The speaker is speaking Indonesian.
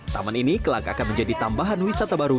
taman ini kelakakan menjadi tambahan wisata baru